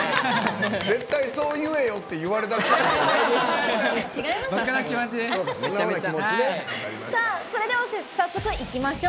絶対、そう言えよって言われたでしょ。